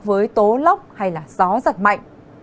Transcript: với tố lốc hay là gió giật mạnh